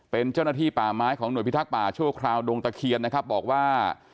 เป็นเจ้าหน้าที่ป่าไม้ของหน่วยพิทักษ์ป่าชั่วคราวดงตะเคียนนะครับบอกว่า